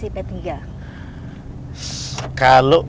kita harus berpikir bahwa petika ingin chick